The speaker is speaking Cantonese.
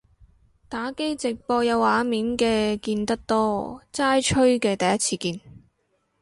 打機直播有畫面嘅見得多，齋吹嘅第一次見